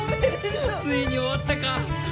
ついに終わったか！